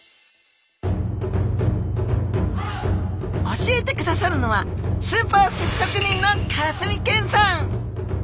教えてくださるのはスーパー寿司職人の川澄健さん！